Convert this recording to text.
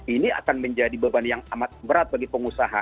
ini akan menjadi beban yang amat berat bagi pengusaha